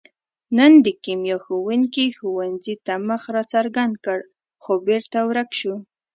نن د کیمیا ښوونګي ښوونځي ته مخ را څرګند کړ، خو بېرته ورک شو.